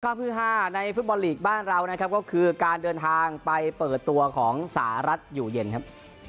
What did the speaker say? ฮือฮาในฟุตบอลลีกบ้านเรานะครับก็คือการเดินทางไปเปิดตัวของสหรัฐอยู่เย็นครับ